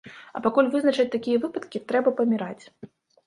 А пакуль вызначаць такія выпадкі, трэба паміраць.